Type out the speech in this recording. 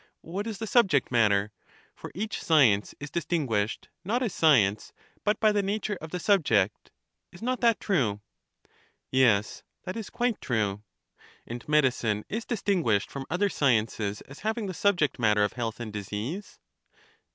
What is the subject matter? For each science is distin guished, not as science, but by the nature of the sub ject. Is not that true? Yes; that is quite true. And medicine is distinguished from other sciences as having the subject matter of health and disease?